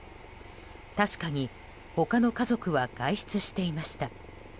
確かに他の家族は外出していました。